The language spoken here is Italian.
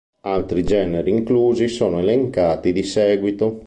Altri generi inclusi sono elencati di seguito.